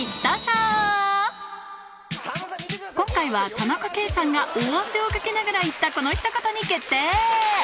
今回は田中圭さんが大汗をかきながら言ったこのひと言に決定！